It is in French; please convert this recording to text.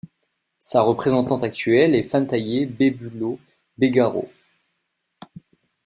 Sa représentante actuelle est Fantaye Bebulo Begaro.